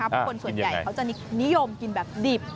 เพราะคนส่วนใหญ่เขาจะนิยมกินแบบดิบ